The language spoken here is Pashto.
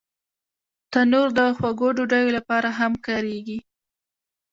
تنور د خوږو ډوډیو لپاره هم کارېږي